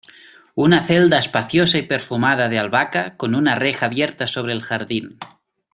una celda espaciosa y perfumada de albahaca, con una reja abierta sobre el jardín